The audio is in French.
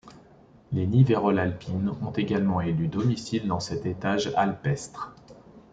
Les niverolles alpines ont également élu domicile dans cet étage alpestre.